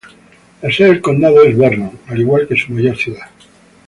La sede del condado es Vernon, al igual que su mayor ciudad.